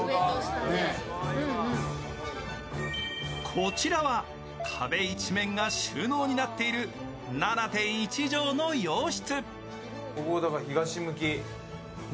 こちらは壁一面が収納になっている７．１畳の洋室。